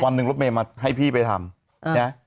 วันหนึ่งรถเมย์ให้พี่ไปทำ